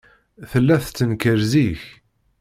Tella tettenkar zik.